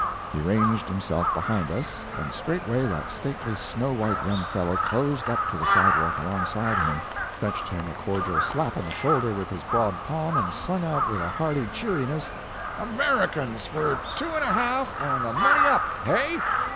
He ranged himself behind us, and straightway that stately snow white young fellow closed up to the sidewalk alongside him, fetched him a cordial slap on the shoulder with his broad palm, and sung out with a hearty cheeriness: "AMERICANS for two and a half and the money up! HEY?"